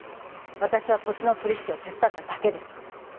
私は土地の取引を手伝っただけです。